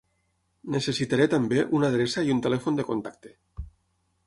Necessitaré també una adreça i un telèfon de contacte.